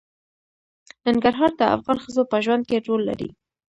ننګرهار د افغان ښځو په ژوند کې رول لري.